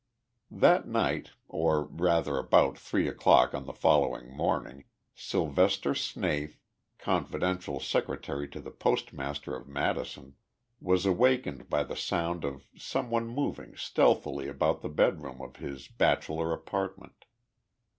That night or, rather, about three o'clock on the following morning Sylvester Snaith, confidential secretary to the postmaster of Madison, was awakened by the sound of some one moving stealthily about the bedroom of his bachelor apartment.